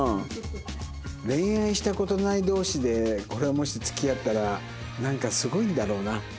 恋愛した事ない同士でこれはもし付き合ったらなんかすごいんだろうな。